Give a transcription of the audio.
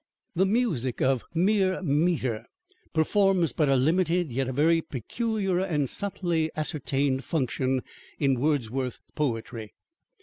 The music of mere metre performs but a limited, yet a very peculiar and subtly ascertained function, in Wordsworth's poetry.